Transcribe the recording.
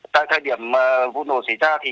tại thời điểm vụ nổ xảy ra